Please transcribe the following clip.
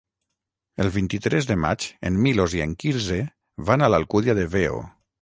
El vint-i-tres de maig en Milos i en Quirze van a l'Alcúdia de Veo.